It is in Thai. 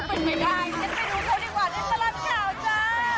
เป็นไม่ได้งั้นไปดูเขาดีกว่าในตลอดข่าวจ้า